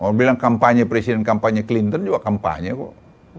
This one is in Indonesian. mau bilang kampanye presiden kampanye clinton juga kampanye kok